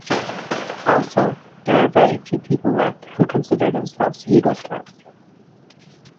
Also, there are very few people left who consider themselves Yugoslavs.